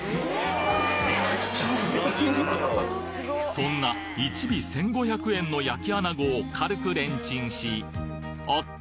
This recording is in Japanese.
そんな１尾１５００円の焼き穴子を軽くレンチンしおっと！